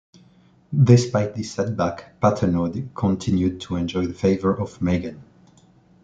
Despite this setback, Patenaude continued to enjoy the favour of Meighen.